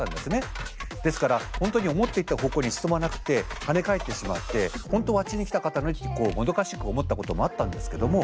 ですから本当に思っていた方向に進まなくて跳ね返ってしまって本当はあっちに行きたかったのにってこうもどかしく思ったこともあったんですけども。